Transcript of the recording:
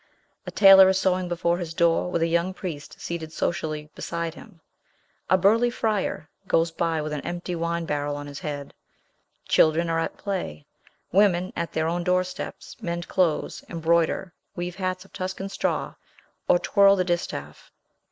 A tailor is sewing before his door with a young priest seated sociably beside him; a burly friar goes by with an empty wine barrel on his head; children are at play; women, at their own doorsteps, mend clothes, embroider, weave hats of Tuscan straw, or twirl the distaff.